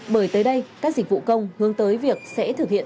bởi tới đây các dịch vụ công hướng tới việc sẽ thực hiện